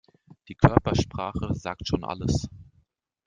Die Körpersprache sagt schon alles.